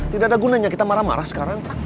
tidak ada gunanya kita marah marah sekarang